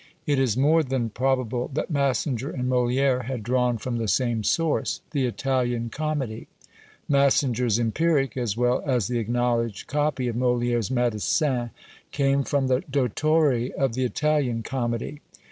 It is more than probable that Massinger and MoliÃẀre had drawn from the same source the Italian Comedy. Massinger's "Empiric," as well as the acknowledged copy of MoliÃẀre's "Médecin," came from the "Dottore" of the Italian Comedy.